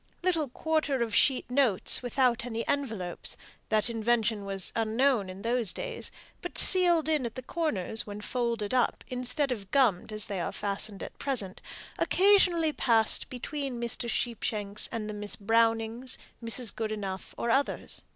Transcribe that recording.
Little quarter of sheet notes, without any envelopes that invention was unknown in those days but sealed in the corners when folded up instead of gummed as they are fastened at present occasionally passed between Mr. Sheepshanks and the Miss Brownings, Mrs. Goodenough or others.